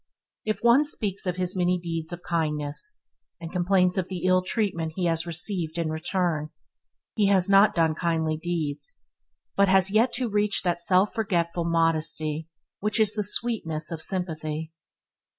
If one speaks of his many deeds of kindness, and complains of the ill treatment he has received in return, he has not done kindly deeds, but has yet to reach that self forgetful modest which is the sweetness of sympathy.